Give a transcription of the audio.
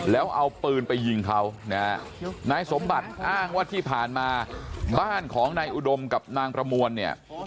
แล้วเอาปืนไปยิงเขานะฮะนายสมบัติอ้างว่าที่ผ่านมาบ้านของนายอุดมกับนางประมวลเนี่ย